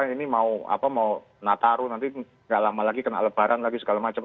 ini mau nataru nanti gak lama lagi kena lebaran lagi segala macam